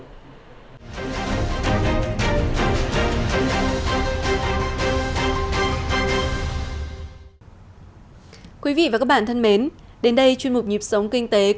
hẹn gặp lại quý vị và các bạn trong các chương trình lần sau